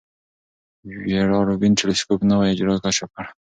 ویرا روبین ټیلسکوپ نوي اجرام کشف کړل.